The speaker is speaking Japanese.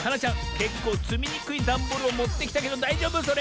けっこうつみにくいダンボールをもってきたけどだいじょうぶそれ？